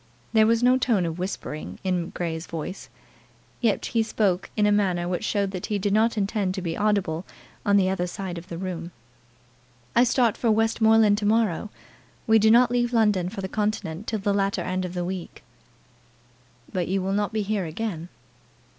There was no tone of whispering in Grey's voice, but yet he spoke in a manner which showed that he did not intend to be audible on the other side of the room. "I start for Westmoreland to morrow. We do not leave London for the continent till the latter end of next week." "But you will not be here again?"